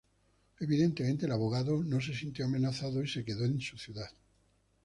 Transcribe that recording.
Evidentemente, el abogado no se sintió amenazado y se quedó en su ciudad.